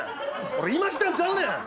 俺今来たんちゃうねん。